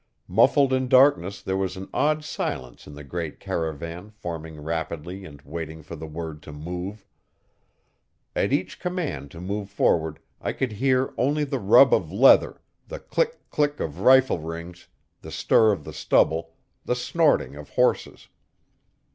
Muffled in darkness there was an odd silence in the great caravan forming rapidly and waiting for the word to move. At each command to move forward I could hear only the rub of leather, the click, click of rifle rings, the stir of the stubble, the snorting of horses.